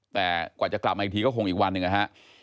แต่กว่าจะกลับมาอีกทีก็คงอีกวันหนึ่งนะฮะ